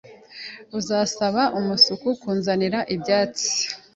Uzasaba umusuku kunzanira ibyatsi?